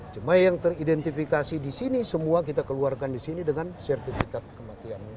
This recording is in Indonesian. cuma yang teridentifikasi di sini semua kita keluarkan di sini dengan sertifikat kematian